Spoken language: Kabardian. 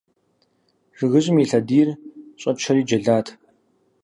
Жыгыжьым и лъэдийр щӀэчэри джэлат.